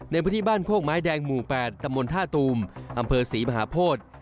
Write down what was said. ในพื้นที่บ้านโคกไม้แดงหมู่๘ตำบลท่าตูมอำเภอศรีมหาโพธิ